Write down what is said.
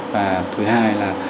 và thứ hai là